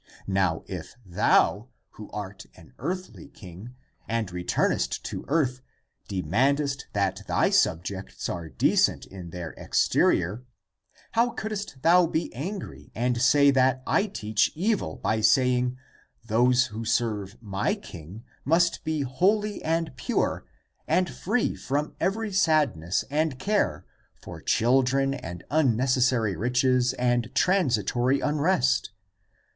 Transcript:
Now, if thou, who art an earthly king and returnest to earth, demandest that thy subjects are decent in their ex terior, how couldst thou be angry and say that I teach evil by saying: those who serve my king must be holy and pure and free from every sadness and care for children and unnecessary riches and transitory ACTS OF THOMAS 329 unrest?